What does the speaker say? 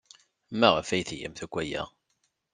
Maɣef ay tgamt akk aya?